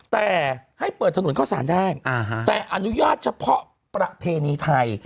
แต่ให้เปิดถนนเข้าสารได้แต่อนุญาตเฉพาะประเพณีไทย